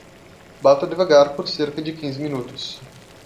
Bata devagar por cerca de quinze minutos.